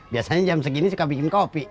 biasanya jam segini suka bikin kopi